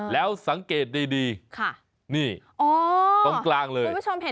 แล้วสังเกตดีนี่ตรงกลางเลย